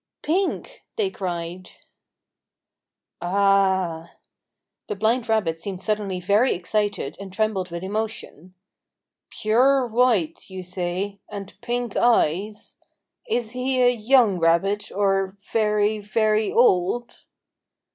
"Pink!" they cried. "Ah!" The blind rabbit seemed suddenly excited and trembled with emotion. "Pure white, you say, and pink eyes! Is he a young rabbit, or very, very old?"